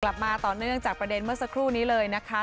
กลับมาต่อเนื่องจากประเด็นเมื่อสักครู่นี้เลยนะคะ